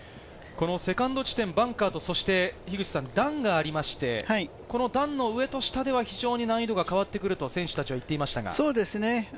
セカンド地点、バンカーとそして段がありまして、この段の上と下では非常に難易度が変わってくると選手たちは言っていました。